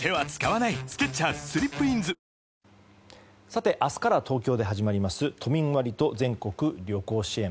さて、明日から東京で始まります都民割と全国旅行支援。